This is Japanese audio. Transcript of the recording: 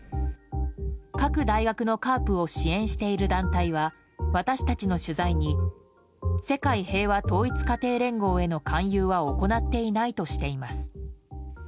各大学のカープを支援している団体は私たちの取材に世界平和統一家庭連合への勧誘は行っていないとしています。